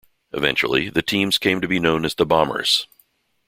Eventually, the teams came to be known as the Bombers.